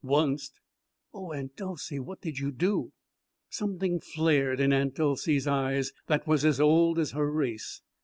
"Oncet." "Oh, Aunt Dolcey, what did you do?" Something flared in Aunt Dolcey's eyes that was as old as her race.